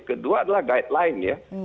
kedua adalah guideline ya